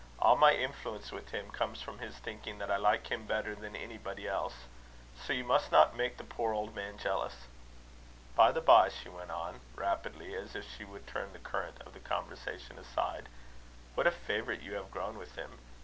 All my influence with him comes from his thinking that I like him better than anybody else. So you must not make the poor old man jealous. By the bye," she went on rapidly, as if she would turn the current of the conversation aside "what a favourite you have grown with him!